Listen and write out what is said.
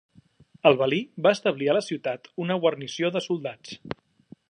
El valí va establir a la ciutat una guarnició de soldats.